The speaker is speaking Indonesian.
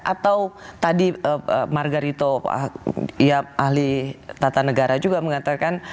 atau tadi margarito ahli tata negara juga mengatakan